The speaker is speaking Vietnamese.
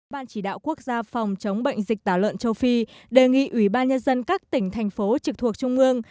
bàn chỉ đạo quốc gia phòng chống bệnh dịch tả lợn châu phi đề nghị ubnd các tỉnh thành phố trực thuộc trung ương